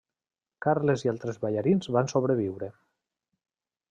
Carles i altres ballarins van sobreviure.